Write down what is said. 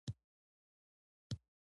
دا وضعیت په چین کې دوامداره نه شي پاتې کېدای